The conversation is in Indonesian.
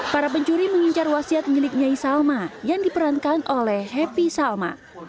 para pencuri mengincar wasiat milik nyai salma yang diperankan oleh happy salma